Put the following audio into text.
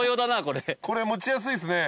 これ持ちやすいっすね。